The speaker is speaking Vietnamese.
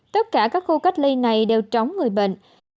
tất cả các khu cách ly này đều trống người bệnh